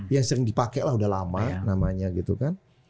yang sering dipakai lah udah lama namanya gitu kan